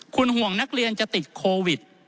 คุณห่วงนักเรียนจะติดโควิด